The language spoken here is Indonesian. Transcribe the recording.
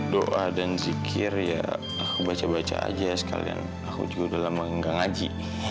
doa dan zikir ya aku baca baca aja sekalian aku juga udah lama gak ngaji